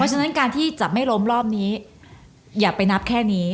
ฉะนั้นการที่จะไม่ล้มรอบนี้อย่าไปนับแค่นี้